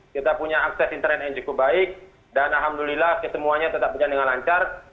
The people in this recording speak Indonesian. kita punya akses internet yang cukup baik dan alhamdulillah kesemuanya tetap berjalan dengan lancar